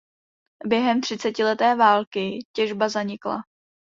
Během třicetileté války těžba zanikla.